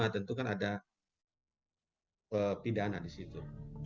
tentu kan ada pidana di situ